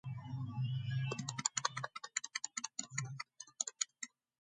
ფილმი აგრეთვე ნომინირებული იყო ოსკარზე საუკეთესო ადაპტირებული სცენარისთვის და საუკეთესო რეჟისორისთვის.